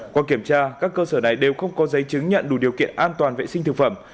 qua kiểm tra các cơ sở này đều không có giấy chứng nhận đủ điều kiện an toàn vệ sinh thực phẩm